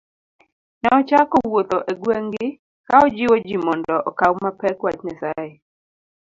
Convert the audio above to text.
Ne ochako wuotho e gweng'gi ka ojiwo ji mondo okaw mapek wach Nyasaye